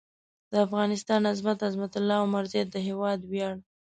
د افغانستان عظمت؛ عظمت الله عمرزی د هېواد وېاړ